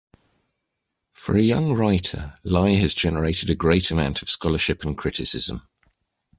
For a young writer, Lai has generated a great amount of scholarship and criticism.